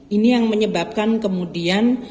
ini yang menyebabkan kemudian